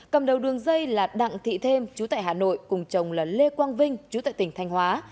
cầm đầu đường dây là đặng thị thêm chú tại hà nội cùng chồng là lê quang vinh chú tại tỉnh thanh hóa